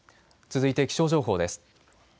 続いて気象情報です。